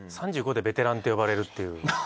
３５でベテランって呼ばれるっていう。